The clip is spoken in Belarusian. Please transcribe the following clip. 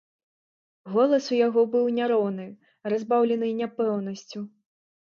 Голас у яго быў няроўны, разбаўлены няпэўнасцю.